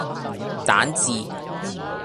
蛋治